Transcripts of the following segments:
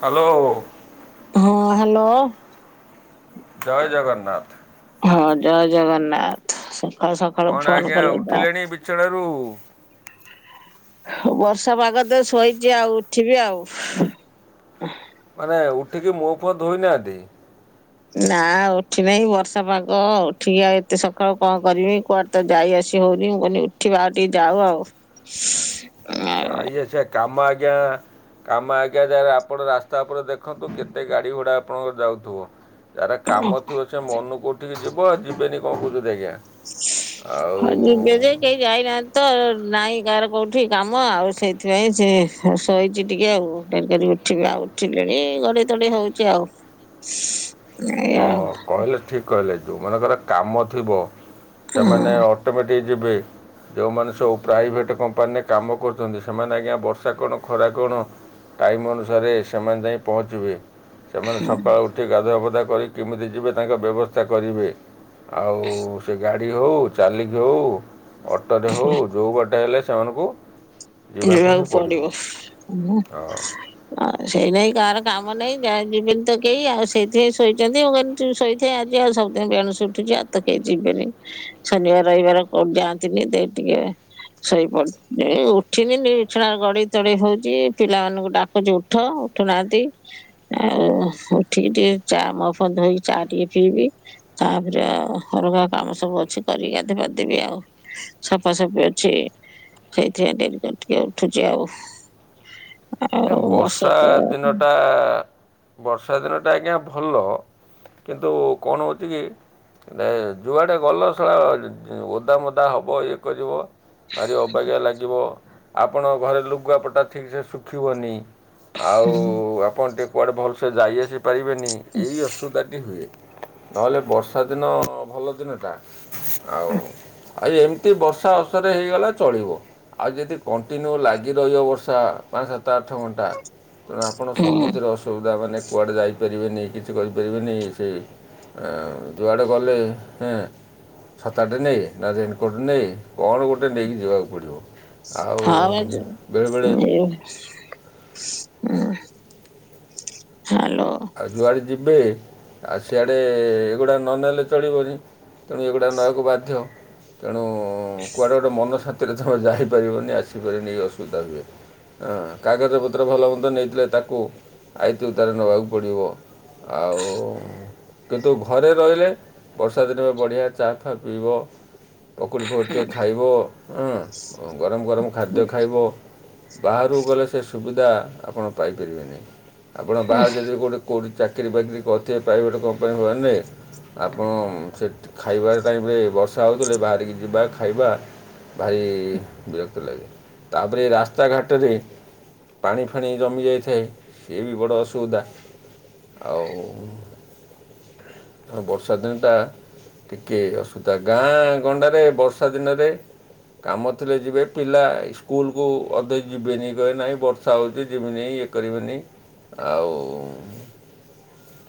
Hello. ହଁ hello. ଜୟ ଜଗନ୍ନାଥ। ହଁ ଜୟ ଜଗନ୍ନାଥ ସକାଳୁ ସକାଳୁ କ'ଣ ଫୋନ ଆଜ୍ଞା କଲେ ଯେ? ଉଠିଲେଣି ବିଛଣାରୁ ବର୍ଷା ପାଗ ଦ ଶୋଇଛି ଆଉ ଉଠିବି ଆଉ। ମାନେ ଉଠିକି ମୁହଁ ଫୁଅ ଧୋଇନାନ୍ତି? ନା ଉଠି ନାହିଁ ବର୍ଷା ପାଗ ଉଠିକି ଆ ଏତେ ସକାଳୁ କଣ କରିବି କୁଆଡେ ତ ଯାଇ ଆସି ହଉନି ମୁଁ କହିଲି ଉଠିବା ଆଉ ଟିକେ ଯାଉ ଆଉ। ଯାଇଏଛ କାମ ଆଜ୍ଞା କାମ ଆଜ୍ଞା ଯାଏ ଆପଣ ରାସ୍ତା ଉପରେ ଦେଖନ୍ତୁ କେତେ ଗାଡ଼ି ଗୋଡ଼ା ଆପଣଙ୍କର ଯାଉଥିବ। ଯାରା ଆଉ କାମ ଥିବ ସେ ମନେ କୋଉଠିକି ଯିବ ଆଉ ଯିବେନି କଣ କହୁଛଛନ୍ତି ଆଜ୍ଞା। ହଁ ଯିବେ ଯେ ଆଉ କେହି ଯାଇନାହାନ୍ତି। ତ ନାଇଁ କାହାର କୋଉଠି କାମ ଆଉ ସେଇଥିପାଇଁ ସେସୋଇଛି ଟିକେ ଆଉ ଡେରି କର ଉଠିବି ଆଉ ଉଠିଲିଣି ଗଡେଇ ତଡେଇ ହଉଛି ଆଉ। ଏଇଆ ହଁ ଆଉ କହିଲେ ଠିକ କହିଲେ ଯୋଉ ମାନଙ୍କର କାମ ଥିବ। ସେମାନେ ଅଟୋମେଟିକ ଯିବେ। ହ ଯେଉଁମାନେ ସବୁ ପ୍ରାଇଭେଟ୍ କମ୍ପାନୀରେ କାମ କରୁଛନ୍ତି ସେମାନେ ଆଜ୍ଞା ବର୍ଷା କଣ ଖରା କଣ। ଟାଇମ୍ ଅନୁସାରେ ସେମାନେ ଯାଇ ପହଞ୍ଚିବେ। ସେମାନେ ସକାଳୁ ଉଠି ଗାଧୁଆପଧା କରି କେମିତି ଯିବେ ତାଙ୍କ ବ୍ୟବସ୍ଥା କରିବେ। ଆଉ ସେ ଗାଡ଼ି ହଉ ଚାଲିକ ହଉ ଅଟୋରେ ହଉ ଯେଉ ଗୋଟେ ହେଲେ ସେମାନଙ୍କୁ - ଯିବାକୁ ପଡିବ ହଁ ସେଇ ନାଇଁ କାର କାମ ନାଇଁ ଯାହା ଯିବିନି ତ କେହି ଆଉ ସେଇଥିପାଇଁ ଶୋଇଛନ୍ତି ମୁଁ କେମି ଶୋଇଥଥାଏ ଆଜି ଆଉ ସବଦିନ ବେଣୁସୁ ଉଠୁ। ଯା ତ କେହି ଯିବେନି ଶନିବାର ରହିବାର କୋଉଠି ଯାଆନ୍ତିନି ଦେଇ ଟିକେ ସୋଇପଡ଼ ଏ ଉ ଉଠିକିନି ବିଛଣା ଗଡେଇ ତଡେଇ ହଉଛି ପିଲାମାନଙ୍କୁ ଡାକୁଚି ଉଠ ଉଠୁନାହାନ୍ତି। ଆଉ ଉଠିକି ଟିକେ ଚା ମୁହଁ ଧୋଇ ଚା ଟିକେ ପିଇବି ତାପରେ ଖର କାମ ସବୁ ଅଛି କରିକି ଗାଧେଇପାଢ଼େଇବି ଆଉ ସଫାସଫି ଅଛି ସେଇଥିପାଇଁ ଡେରି ଟିକେ ଉଠୁଛି ଆଉ। ଆଉ ନା ବର୍ଷା ତ ଦିନଟା ବର୍ଷା ଦିନଟା ଆଜ୍ଞା ଭଲ। କିନ୍ତୁ କଣ ହେଉଛି କି? ଅ ଯୁଆଡ଼େ ଗଲ [inaudible] ଓଦା ମଦା ହେବ ଇଏ କରିବ। ଭାରି ଅବାଗିଆ ଲାଗିବ ଆପଣଙ୍କ ଘରେ ଲୁଗାପଟା ଠିକିସେ ଶୁଖିବନି। ଆଉ ଆପଣ ଟିକେ କୁଆଡ଼େ ଭଲସେ ଯାଇ ଆସିପାରିବେନି ଏଇ ଅସୁବିଧାଟି ହୁଏ। ନହେଲେ ବର୍ଷା ଦିନ ଭଲ ଦିନ ଟା ଆଉ ଆ ଏମତି ଏ ବର୍ଷା ଅସାରେ ହେଇଗଲା ଚଳିବ ଆଉ ଯଦି କଣ୍ଟିନ୍ୟୁ ଲାଗି ରହିବ ବର୍ଷା ପାଞ୍ଚ ସାତ ସାତ ଆଠ ଘଣ୍ଟା ତେଣୁ ଆପଣ ହୁଁ ସବୁଥିରେ ଅସୁବିଧା ମାନେ କୁଆଡ଼େ ଯାଇପାରିବେ। କି କରିପାରିବେ ଆଁ ଯୁଆଡେ ଗଲେ। ଛତାଟେ ନେଇ ନା ରେନକୋଟ ନେଇ କଣ ଗୋଟେ ନେଇକି ଯିବାକୁ ପଡ଼ିବ। ହଁ ବା ଆଉ ବେଳେବେଳେ ହୁଁ। ଆଉ ଯୁଆଡ଼େ ଯିବେ ଆଉ ସିଆଡ଼େ ଏଗୁଡ଼ା ନ ନେଲେ ଚଳିବନି ତେଣୁ ଏଗୁଡ଼ା ନେବାକୁ ବାଧ୍ୟ। ହୁଁ କୁଆଡେ ଗୋଟେ ମନସ୍ଥାନ୍ତିରେ ଯାଇପାରିବନି ଆଜ୍ଞା। ହଁ କାଗଜ ପତ୍ର ଭଲ ମନ୍ଦ ନେଇଥିଲେ ତାକୁ ଆଇତି ଉତାରେ ନେବାକୁ ପଡ଼ିବ ଆଉ କିନ୍ତୁ ଘରେ ରହିଲେ ବର୍ଷା ଦିନରେ ବଢ଼ିଆ ଚାଫା ପିଇବ। ପକୁଡ଼ି ଫକୁଡ଼ି ଟେ ଖାଇବ ଗରମ ଗରମ ଖାଦ୍ୟ ଖାଇବ। ବାହାରକୁ ଗଲେ ସେ ସୁବିଧା ଆପଣ ପାଇପାରିବେନି। ହୁଁ। କେଉଁଠି କେଉଁଠି ଚାକିରି ଫାକିରି କରିଥିବେ ପ୍ରାଇଭେଟ୍ କମ୍ପାନୀ ମାନେ ଆପଣ ସେ ଖାଇବା ଟାଇମରେ ବର୍ଷା ହେଉଥିଲେ ବାହାରିକି ଯିବା ଖାଇବା। ଭାରି ବିରକ୍ତି ଲାଗେ ତାପରେ ରାସ୍ତାଘାଟରେ ପାଣି ଫାଣି ଜମି ଯାଇଥାଏ ସଏ ବି ବଡ଼ ଅସୁବିଧା। ଆଉ ଉଁ। ଆ ବର୍ଷା ଦିନଟା। ଟିକେ ଅସୁବିଧା ଗାଁ ଗଣ୍ଡାରେ ବର୍ଷା ଦିନରେ କାମ ଥିଲେ ଯିବେ ପିଲା ସ୍କୁଲକୁୁ ଅଧେ ଯିବେନି କହିବେ ନାହିଁ ବର୍ଷା ହେଉଛି ଯିବି ନେଇଁ। ଇଏ କରିବନି ଆଉ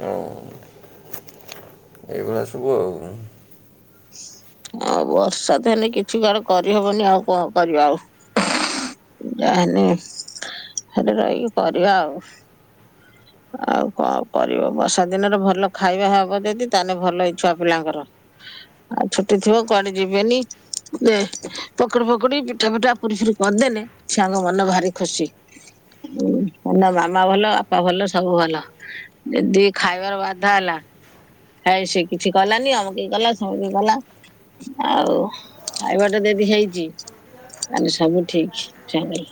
ଆଉ ଇ ଏଇଭଳିଆ ସବୁ ଆଉ। ଆଉ ବର୍ଷା ତ ହେଲେ କିଛି କୁଆଡେ କରିହବନି ଆଉ କଣ କରିବା ଆଉ। ଯାହା ହେଲେ ହେଠେ ରହିକି କରିବା ଆଉ। ଆଉ କଣ କରିବ ବର୍ଷା ଦିନରେ ଭଲ ଖାଇବା ହବ ଯଦି ତାହେଲେ ଭଲ ହେଇ ଛୁଆ ପିଲାଙ୍କର। ଆଉ ଛୁଟି ଥିବ କୁଆଡେ ଯିବେନି। ଦେ ପକୁଡି ଫକୁଡି ପିଠା ଫିଠା ପୁରି ଫୁରି କରିଦେଲେ ଛିଆଙ୍କ ମନ ଭାରି ଖୁସି। ଏଇନା ମାମା ଭଲ, ବାପା ଭଲ ସବୁ ଭଲ ଯଦି ଖାଇବାର ବାଧା ହେଲା ଖାଇବି ସେ କିଛି କଲାନି ଅମକେଇ କଲା ସମକେଇ କଲା ଆଉ ଖାଇବାଟା ଦେ ବି ହେଇଛି। ତାହାଲେ ସବୁ ଠିକ ଚୁଆନକପାଇଁ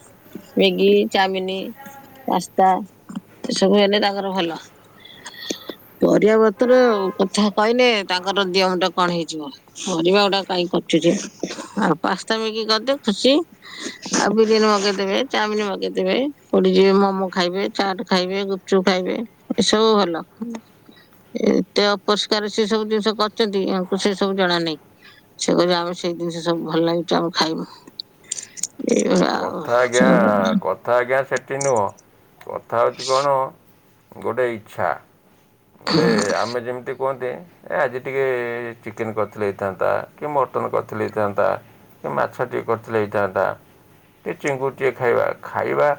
ମେଗି ଚାଉମିନ ପାସ୍ତା ଏସବୁ ହେଲେ ତାଙ୍କର ଭଲ ପରିବା ପ ପତର କଥା କହିଲେ ତାଙ୍କର ଦିହ ମୁଣ୍ଡ କଣ ହେଇଯିବ ପରିବା ଗୁଡାକ କାଇଁ କରୁଛୁ ଯେ ଆଉ ପାସ୍ତା ମେଗି କରିଦେ ଖୁସି ଆଉ ବିରିୟାନୀ ମଗେଇଦବେ ଚାଉମିନ ମଗେଇଦବେ। କୋଉଠି ଯିବେ ମୋମୋ ଖାଇବେ ଚାଟ ଖାଇବେ ଗୁପଚୁପ୍ ଖାଇବେ ଏସବୁ ଭଲ। ଏତେ ଅପରିଷ୍କାର ସେ ସବୁ ଜିନିଷ କରିଛନ୍ତି ଆମକୁ ସେ ସବୁ ଜଣା ନାହିଁ। ସେ କହୁଛି ଆମେ ସେଇ ଜିନିଷ ସବୁ ଭଲ ଲାଗୁଛି ଆମେ ଖାଇବୁ ଏ କଥା ଆଜ୍ଞା କଥା ଆଜ୍ଞା ସେଠି ନୁହଁ କଥା ହଉଚି କଣ। ଗୋଟେ ଇଚ୍ଛା ଗୋଟେ ଆମେ ଯେମିତି। କୁହନ୍ତି ଏ ଆଜି ଟିକିଏ ଚିକେନ୍ କରିଥିଲେ ହେଇଥାନ୍ତା କି ମଟନ୍ କରିଥିଲେ ହେଇଥାନ୍ତା। ସେ ମାଛ ଟିକେ କରିଥିଲେ ହେଇଥାନ୍ତା କି ଚିଙ୍ଗୁଡି ଟିକେ ଖାଇବା ଖାଇବା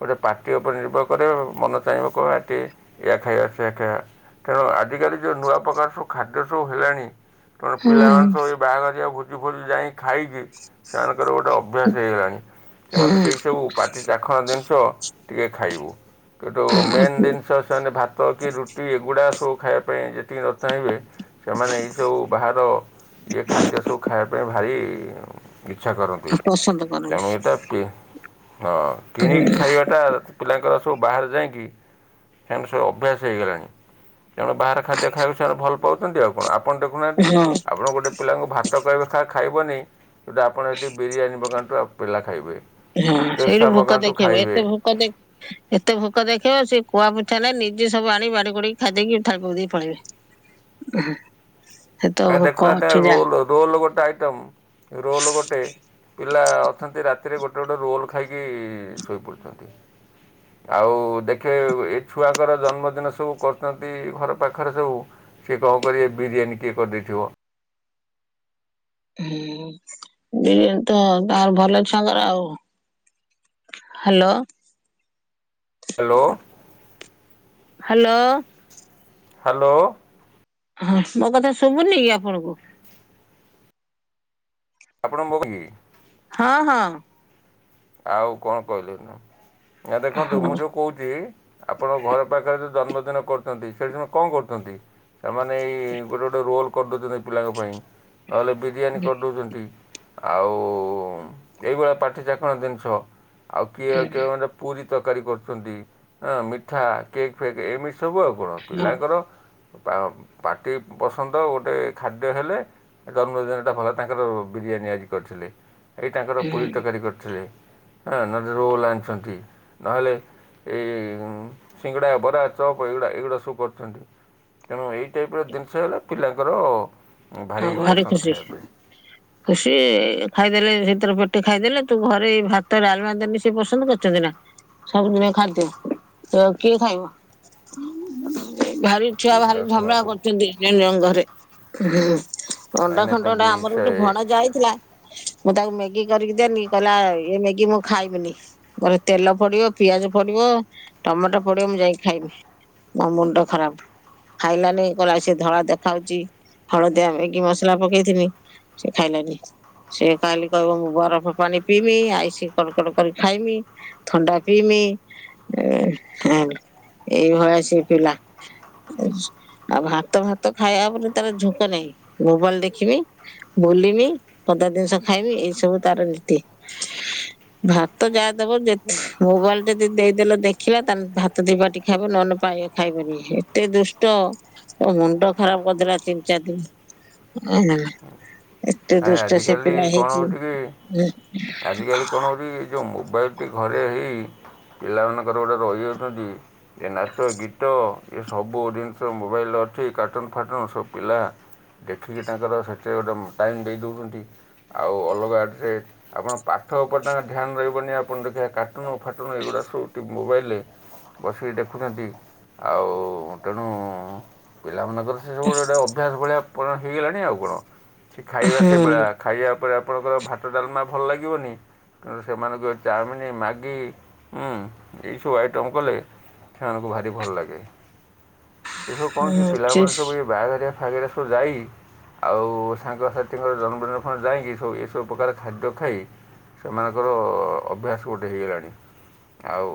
ଗୋଟେ ପାଟି ଉପରେ ନିର୍ଭର କରିବ ମନ ଚାହିଁବ କହିବ ଆଜି ଟିକେ ଏଇଆ ଖାଇବା ସେଇଆ ଖାଇବା। କାରଣ ଆଜିକାଲି ଯେଉଁ ନୂଆ ପ୍ରକାର ସବୁ ଖାଦ୍ୟ ସବୁ ହେଲାଣି ତେଣ ହୁଁ ପିଲାମାନେ ସବୁ ଏଇ ବାହାଘରିଆ ଭୋଜି ଫୋଜି ଯାଇି ଖାଇକି ସେମାନେ ତାଙ୍କର ଗୋଟେ ଅଭ୍ୟାସ ହେଇଗଲାଣି ସେମାନେ ସେଇ ହୁଁ ସବୁ ପାଟି ଚାଖଣା ଜିନିଷ ଟିକେ ଖା ଖାଇବୁ କିନ୍ତୁ ମେନ୍ ଜିନିଷ ସେମାନେ ଭାତ କି ରୁଟି ଏଗୁଡ଼ା ସବୁ ଖାଇବା ପାଇଁ ଯେତିିକି ନ ଚାହିଁବେ ସେମାନେ ଏଇସବୁ ବାହାର ଇଏ ଖାଦ୍ୟ ସବୁ ଖାଇବା ପାଇଁ ଭାରି ଇଚ୍ଛା କରନ୍ତି ପସନ୍ଦ କରନ୍ତି। ତେଣୁ ଏ ା ହଁ କିଣିକି ଖାଇବାଟା ପିଲାଙ୍କର ସବୁ ବାହାରେ ଯାଇଁକି ସେମାନେ ସବୁ ଅଭ୍ୟାସ ହେଇଗଲାଣି ତେଣୁ ବାହାର ଖାଦ୍ୟ ଖାଇବାକୁ ସେମାନେ ଭଲ ପାଉଛନ୍ତି ଆଉ କଣ। ଆପଣ ଦେଖୁନାହାନ୍ତି ହଁ ଆପଣ ଗୋଟେ ପିଲାଙ୍କୁ ଭାତ କହିବେ ଖା ଖାଇବନି ଯୋଉଠି ଆପଣ ଏଠି ବିରିୟାନୀ ମଗାନ୍ତୁ ଆମ ପିଲା ଖା ହଁ ସେଇଠୁ ଭୋକ ଦେଖେଇବ ଖାଇବେ ଏତେ ଭୋକ ଦେ ଏତେ ଭୋକ ଦେଖେଇବ ସେ କୁହା ଇଚ୍ଛା ହେଲେ ନିଜେ ସବୁ ଆଣି ବାଡି ବୁଢ଼ିକି ଖାଇଦେଇକି ଠାକୁଲ ଦେଇ ପଳେଇବେ। ସେତ ଏଇ ଭୋକ ଦେଖୁନାହାନ୍ତି ଅଛି ରୋଲ ଯା ରୋଲ ଗୋଟେ ଗୋଟେ ଆଇଟମ ରୋଲ ଗୋଟେ ପିଲା ଅଛନ୍ତି ରାତିରେ ଗୋଟେ ଗୋଟେ ଗୋଟେ ରୋଲ୍ ଖାଇକି ଶୋଇପଡ଼ୁଛନ୍ତି। ଆଉ ଦେଖେ ଏ ଛୁଆଙ୍କର ଜନ୍ମଦିନ ସବୁ କରୁଛନ୍ତି ଘର ପାଖରେ ସବୁ ସେ କଣ କରିବେ ବିରିୟାନି କିଏ କରିଦେଇଥିବ। ହୁଁ ବିରିୟାନୀ ତ ତାର ଭଲ ଛୁଆଙ୍କର ଆଉ। ହ୍ୟାଲୋ। Hello hello. ହାଲୋ। ହଁ ମୋ କଥା ଶୁଭୁନିକି ଆପଣଙ୍କୁ? ଆପଣ ପି [unintelligible] ହଁ ହଁ। ଆଉ କଣ କହିଲେ ନା ଦେଖନ୍ତୁ ହଁ ମୁଁ ଯୋଉ କହୁଛି ଆପଣଙ୍କ ଘର ପାଖରେ ଜନ୍ମଦିନ କରୁଛନ୍ତି ସେଠିମାନେ କଣ କରୁଛନ୍ତି ସେମାନେ ଏଇ ଗୋଟେ ଗୋଟେ ରୋଲ୍ କରିଦେଉଛନ୍ତି ପିଲାଙ୍କ ପାଇଁ ନହେଲେ ବିରିୟାନୀ କରିଦଉଛନ୍ତି। ଆଉ ଏଇଭଳିଆ ପାଟି ଚାକଣ ଜିନିଷ ଆଉ କିଏ କିଏ ମେ ପୁରୀ। ତରକାରୀ କରୁଛନ୍ତି ମିଠା କେକ୍ ଫେକ୍ ଏମିତି ସବୁ ଆଉ କଣ ହଁ ପିଲାଙ୍କର। ପାଟି ପସନ୍ଦ ଗୋଟେ ଖାଦ୍ୟ ହେଲେ ଜନ୍ମଦିନଟା ଭଲ ତାଙ୍କର ବିରି। ନିଆ କରିଥିଲେ ଏଇ ତାଙ୍କର ପୁରୀ ତକାରୀ କରି ଏଁ ନନେ ରୋଲ ଆଣିଛନ୍ତି ନହେଲେ ଏଇ ସିଙ୍ଗଡ଼ା ବରା ଚପ୍ ଏଗୁଡ଼ା ଏଗୁଡ଼ା ସବୁ କରିୁଛନ୍ତି। ତେଣୁ ଏଇ ଟାଇପ ର ଜିନିଷ ହେଲା ପିଲାଙ୍କର ହ ଭାରି ପସନ୍ଦ ଖୁସି ଖାଇବା ଖୁସି ଖାଇଦେଲେ ସେ ଭର ପଟେ ଖାଇଦେଲେ ତୁ ଘରେ ଏଇ ଭାତ ଡାଲମା ଦାନ ସେ ପସନ୍ଦ କରଛନ୍ତି ନା। ସବୁ ନେ ଖାଦ୍ୟ ତ କିଏ ଖାଇବ ଭାରି ଛୁଆ ପାଇଁ ପିଲା ଭାରି ଝାମଲା ଶୁଣନ୍ତୁ କରୁଛନ୍ତି ନିଜ ଘରେ। ନାଇଁ ଅଣ୍ଡା ନାଇଁ ତମେ ଖଣ୍ଡଣ୍ଡା ବି ଆମର ସେ ଗୋଟେ ଘଣ ଯାଇଥିଲା ମୁଁ ତାକୁ ମେ ମଗ କରିକି ଦିନି କହିଲା ଇ ମ୍ୟାଗି ମୁଁ ଖାଇବିନି ଘ ତେଲ ପଡିବ ପିଆଜ ପଡିବ। ଟମାଟୋ ପଡିବ ମୁଁ ଯାଇକି ଖାଇବି ମୋ ମୁଣ୍ଡ ଟ ଖରାପ ଖାଇଲାନି କଲା ସେ ଧଳା ଦେଖାାଯାଉଛି ହଳଦୀ ଆମ କି ମସଲା ପକେଇଥିନି ସେ ଖାଇଲାନି। ସେି କାଲି କହିବ ମୁଁ ବରଫ ପାଣି ପିଇମି ଆଇସ୍ କଡ଼ କଡ଼ କରି ଖାଇମି ଥଣ୍ଡା ପିଇବି ଏଇ ଭଛି ପିଲା ଆଉ ଭାତ ଭାତ ଖାଇବା ପରେ ତାର ଝୁଙ୍କ ନାହିଁ। ଗୋବଲ ଦେଖମି ବୁଲମି ପଦା ଜିନିଷ ଖାଇମି ଏଇ ସବୁ ତାର ନୀତି। ଭାତ ଯାହାଦବ ମୋବାଇଲ ରେ ଯଦି ଦେଇଦେଲ ଦେଖିଲା ତାେଲେ ଭାତ ଯିବା ଟ ଖାଇ ନହେଲେ ପାଇବା ଖାଇବନି ଏତେ ଦୁଷ୍ଟ ତୋ ମୁଣ୍ଡ ଖରାପ କରିଦେଥିଲା ତିନି ଚାରି ଦିନି ଏଇନା ଆାଇ ଆଜିକାଲି କଣ ହେଉଛି କି ଆଜିକାଲି କଣ ହେଉଛି ଯେଉଁ ମୋବାଇଲ୍ ଗଟି ଘରେ ହେଇ ପିଲାମାନଙ୍କର ଗୋଟେ ରହିଯାଉଛନ୍ତି ଏ ନାଚ ଗୀତ। ଏ ସବୁ ଜିନିଷ ମୋବାଇଲ ଅଠି କାର୍ଟୁନ୍ ଫାଟୁନ୍ ସବୁ ପିଲା। ଦେଖିକି ତାଙ୍କର ସେଚ ଗୋଟେ। ଟାଇମ୍ ଦେଇ ଦେଉଛନ୍ତି ଆଉ ଅଲଗାେ ଆପଣ ପାଠ ଉପରେ ତାଙ୍କ ଧ୍ୟାନ ରହିବନି ଆପଣ ଦେଖିବା ଫାଟନ ଏଗୁଡ଼ା ସବୁ ମୋବାଇଲରେ ବସିକି ଦେଖୁଛନ୍ତି ଆଉ ତେଣୁ ଗିଲାମନଗର ସେ ସବୁେ ଗୋଟେ ଅଭ୍ୟାସ ଭଳିଆ ହେଇଗଲାଣି ଆଉ କଣ। କିଛି ଖାଇବା ହୁଁ ସେଭଳିଆ ହୁଁ ଖାଇବା ପରେ ଆପଣଙ୍କର ଭାତ ଡାଲମା ଭଲ ଲାଗିବନି ତେଣୁ ସେମାନଙ୍କୁ ଚାଉମିନ ମ୍ୟାଗି ଉଁ ଏଇସବୁ ଆଇଟମ୍ କଲେ। ସେମାନଙ୍କୁ ଭାରି ଭଲ ଲାଗେ। ଏ ସବୁ କଣ କି ସେ ପିଲାମାନୋନ ସବୁ ଏଇ ବାହାଘାରଆ ଫରେ ସବୁ ଯାଇ ଆଉ। ସାଙ୍ଗସାଥିଙ୍କର ଜନ୍ମଦିନପ ଯାଇକି ସବୁ ଏସବୁ ପ୍ରକାର ଖାଦ୍ୟ ଖାଇ। ସେମାନଙ୍କର ଅଭ୍ୟାସ ଗୋଟେ ହେଇଗଲାଣି। ଆଉ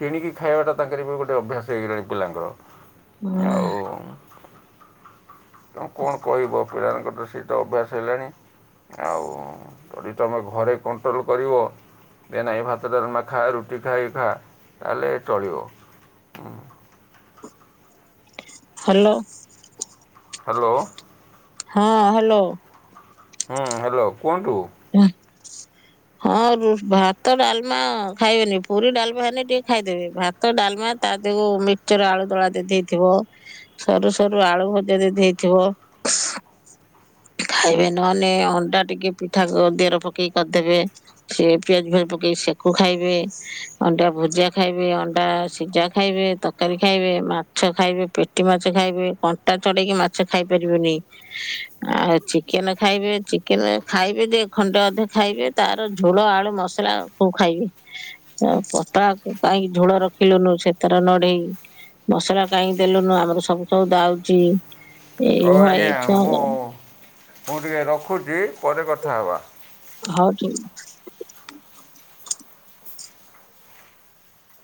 କିଣିକି ଖାଇବାଟା ତାଙ୍କର ବି ଗୋଟେ ଅଭ୍ୟାସ ହେଇଗଲାଣି ପିଲାଙ୍କର। ହଁ। ଆଉ ତେଣୁ କଣ କହିବ ପିଲାମାନଙ୍କର ତ ସେ ତ ଅଭ୍ୟାସ ହେଲାଣି। ଆଉ ଯଦି ତମେ ଘରେ କଣ୍ଟ୍ରୋଲ କରିବ। ଦେନାହି ଭାତଟାାରୁମା ଖା ରୁଟି ଖାଇ ଖା ତାହେଲେ ଚଳିବ। ହ୍ୟାଲୋ। ହ୍ୟାଲୋ। ହଁ ହ୍ୟାଲୋ। ହୁଁ ହ୍ୟାଲୋ କୁହନ୍ତୁ? [inaudible] ହଁ ରୁ ଭାତ ଡାଲମା ଖାଇବେନି ପୁରୀ ଡାଲମା ହେନେ ଟିକେ ଖାଇଦେବେ ଭାତ ଡାଲମା ତା ଦେକୁୁ ମିକ୍ସଚର ଆଳୁଦଳା ଦେଦେଇଥିବ ସରୁ ସରୁ ଆଳୁ ଭଜା ଦେଦେଇଥିବ। ଖାଇବେ ନହେଲେ ଅଣ୍ଡା ଟିକେ ପି ଠା ଦେହର ପକେଇକି କରିଦେବେ ସେ ପିଆଜ ଫିଆଜ ପକେଇ ସେକୁ ଖାଇବେ ଅଣ୍ଡା ଭୋ ସିଜା ଖାଇବେ, ଅଣ୍ଡା ସିଝା ଖାଇବେ, ତରକାରୀ ଖାଇବେ, ମାଛ ଖାଇବେ, ପେଟି ମାଛ ଖାଇବେ। ଅଟା ଚଢେଇକି ମାଛ ଖାଇ ପାରିବେନି ଆ ଚିକେନ ଖାଇବେ ଚିକେନ ଖାଇବେ ଦେ ଖଣ୍ଡେ ଅଧେ ଖାଇବେ ତାର ଝୋଳ ଆଳୁ ମସଲା କୋଉ ଖାଇବେ। ତାକୁ କାହିଁ ଝୋଳ ରଖିଲୁନୁ ସେଥିର ନଢେଇ। ମସଲା କାହିଁକି ଦେଲୁନୁ ଆମର ସବୁ ସଉଦା ଆଉଛି। ହଉ ଆଜ୍ଞା ମୁଁ ମୁଁ ଟିକଏ ରଖୁଛି ପରେ କଥା ହେବା। ହଁ। [unintelligible]